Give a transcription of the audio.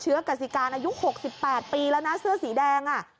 เครื่องกรัศกรรมอายุ๖๘ปีแล้วนะเสื้อสีแดงอะ